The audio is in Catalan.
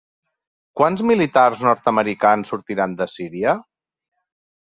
Quants militars nord-americans sortiran de Síria?